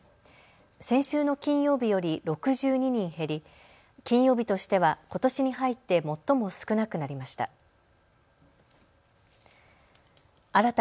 先週の金曜日より６２人減り、金曜日としてはことしに入って最も少なくなりました。